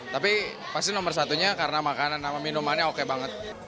tapi pasti nomor satunya karena makanan sama minumannya oke banget